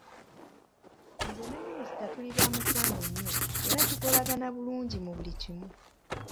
Nze ne minisita tuli baamukwano nnyo era tukolagana bulungi mu buli kimu.